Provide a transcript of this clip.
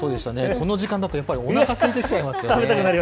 この時間だとやっぱりおなかすいてきちゃいますよね。